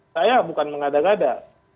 saya bukan mengada gada